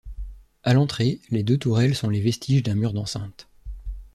À l'entrée, les deux tourelles sont les vestiges d'un mur d'enceinte.